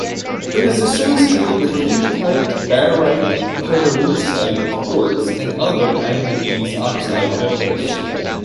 It is associated with hematite, barite, pyrolusite, quartz and other manganese oxide minerals.